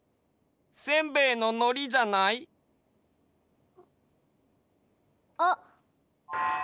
せんべいののりじゃない？あっ。